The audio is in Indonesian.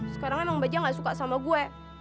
sekarang emang baja gak suka sama gue